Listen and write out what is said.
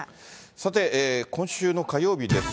さて、今週の火曜日です。